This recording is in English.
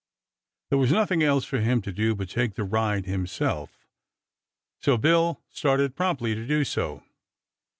There was nothing else for him to do but take the ride himself, so Bill started promptly to do so.